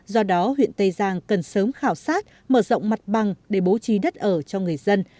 do đó huyện tây giang cần sớm khảo sát mở rộng mặt bằng để bố trí đất ở cho người dân